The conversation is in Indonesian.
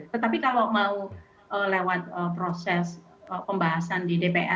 tetapi kalau mau lewat proses pembahasan ya